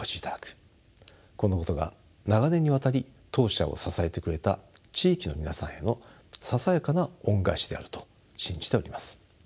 このことが長年にわたり当社を支えてくれた地域の皆さんへのささやかな恩返しであると信じております。